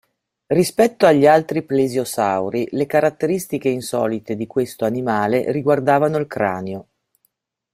Rispetto agli altri plesiosauri, le caratteristiche insolite di questo animale riguardavano il cranio.